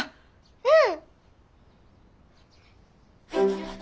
うん！